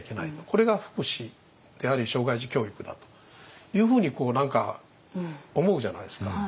これが福祉であり障害児教育だというふうに何か思うじゃないですか。